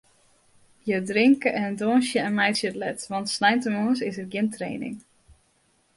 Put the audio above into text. Hja drinke en dûnsje en meitsje it let, want sneintemoarns is der gjin training.